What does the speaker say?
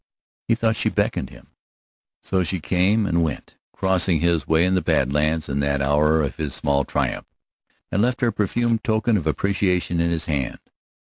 He thought she beckoned him. So she came, and went, crossing his way in the Bad Lands in that hour of his small triumph, and left her perfumed token of appreciation in his hand.